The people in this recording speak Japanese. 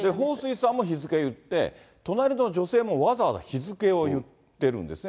彭帥さんも日付言って、隣の女性もわざわざ日付を言ってるんですね。